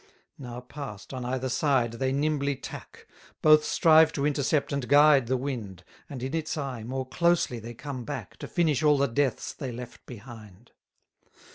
58 Now pass'd, on either side they nimbly tack; Both strive to intercept and guide the wind: And, in its eye, more closely they come back, To finish all the deaths they left behind.